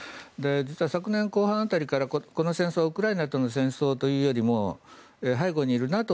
実は昨年後半辺りからこの戦争はウクライナとの戦争というよりも背後にいるＮＡＴＯ